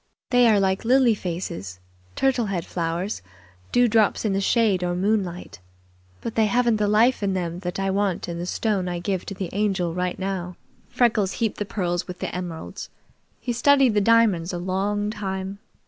They are like lily faces, turtle head flowers, dewdrops in the shade or moonlight; but they haven't the life in them that I want in the stone I give to the Angel right now." Freckles heaped the pearls with the emeralds. He studied the diamonds a long time.